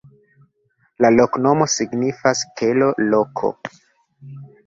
La loknomo signifas: kelo-loko.